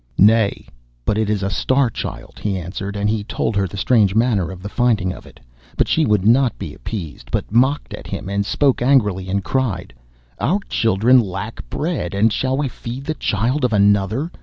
'Nay, but it is a Star Child,' he answered; and he told her the strange manner of the finding of it. But she would not be appeased, but mocked at him, and spoke angrily, and cried: 'Our children lack bread, and shall we feed the child of another?